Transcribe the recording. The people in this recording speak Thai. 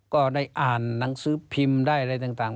ก็ได้อ่านหนังสือพิมพ์ได้อะไรต่าง